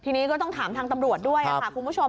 ทีนี้ก็ต้องถามทางตำรวจด้วยค่ะคุณผู้ชม